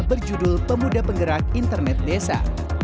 berjudul pemuda penggerak internet desa